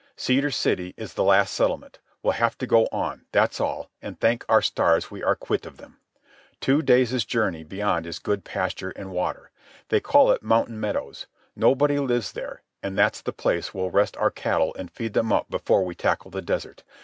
"Cedar City is the last settlement. We'll have to go on, that's all, and thank our stars we are quit of them. Two days' journey beyond is good pasture, and water. They call it Mountain Meadows. Nobody lives there, and that's the place we'll rest our cattle and feed them up before we tackle the desert.